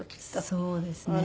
そうですね。